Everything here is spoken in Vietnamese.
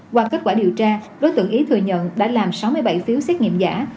qua kết quả điều tra đối tượng ý thừa nhận đã làm sáu mươi bảy phiếu xét nghiệm giả